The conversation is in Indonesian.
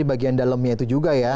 di bagian dalemnya itu juga ya